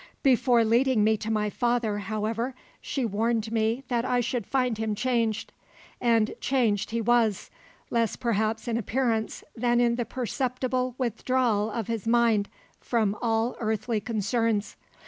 Before leading me to my father, however, she warned me that I should find him changed; and changed he was, less perhaps in appearance than in the perceptible withdrawal of his mind from all earthly concerns.